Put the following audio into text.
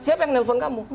siapa yang nelfon kamu